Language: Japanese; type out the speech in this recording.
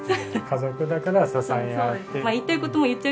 家族だから支え合って。